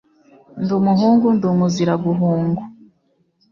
Ndi umuhungu ndi umuziraguhungu